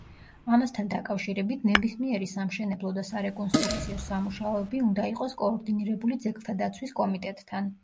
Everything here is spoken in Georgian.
ამასთან დაკავშირებით, ნებისმიერი სამშენებლო და სარეკონსტრუქციო სამუშაოები უნდა იყოს კოორდინირებული ძეგლთა დაცვის კომიტეტთან.